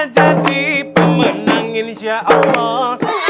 jadi pemenang insya allah